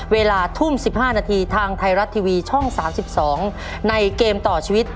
เวลาทุ่ม๑๕นาทีทางไทยรัฐทีวีช่อง๓๒ในเกมต่อชีวิต